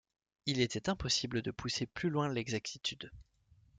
Il était impossible de pousser plus loin l’exactitude.